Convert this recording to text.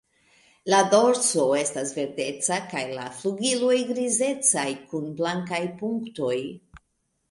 Lo dorso estas verdeca kaj la flugiloj grizecaj kun blankaj punktoj.